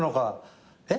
えっ？